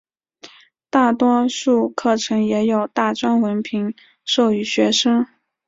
大多数课程也有大专文凭授予学生。